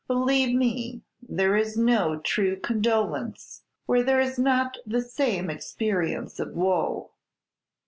Believe me, there is no true condolence where there is not the same experience of woe!"